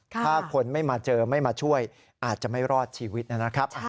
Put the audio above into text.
ถ้าคนไม่มาเจอไม่มาช่วยอาจจะไม่รอดชีวิตนะครับ